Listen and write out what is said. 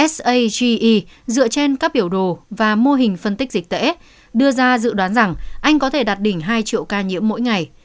sage dựa trên các biểu đồ và mô hình phân tích dịch tễ đưa ra dự đoán rằng anh có thể đạt đỉnh hai triệu ca nhiễm mỗi ngày